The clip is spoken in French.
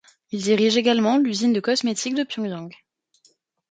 Il dirige également l'usine de cosmétiques de Pyongyang.